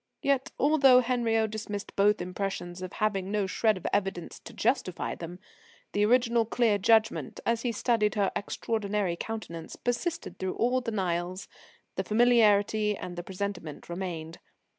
Yet, although Henriot dismissed both impressions as having no shred of evidence to justify them, the original clear judgment, as he studied her extraordinary countenance, persisted through all denials The familiarity, and the presentiment, remained.